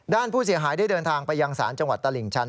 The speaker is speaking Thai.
ด้านผู้เสียหายได้เดินทางไปยังศาลจังหวัดตลิ่งชัน